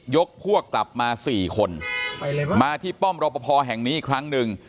ยกพวกตับมา๔คนมาที่ป้อมรปภแห่งนี้ครั้งนึง